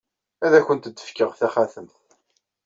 Ad awent-d-fkeɣ taxatemt.